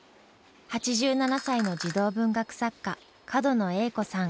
８７歳の児童文学作家角野栄子さん。